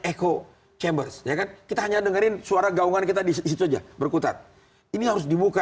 eco chambers ya kan kita hanya dengerin suara gaungan kita disitu aja berkutat ini harus dibuka